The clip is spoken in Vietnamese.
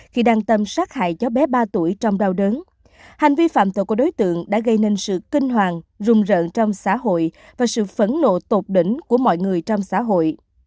khi đang tâm sát hại cháu bé ba tuổi trong đau đớn hành vi phạm tội của đối tượng đã gây nên sự kinh hoàng rùng rợn trong xã hội và sự phẫn nộ tột đỉnh của mọi người trong xã hội